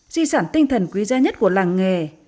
di sản tinh thần quý giá nhất của làng nghề